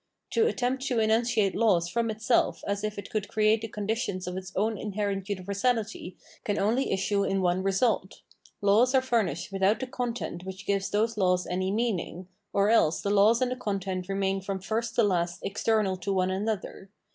To attempt to enunciate laws from itself as if it could create the conditions of its own inherent universality can only issue in one result : laws are furnished without the content which gives those laws any meaning, or else the laws and the content remain from first to last external to one another.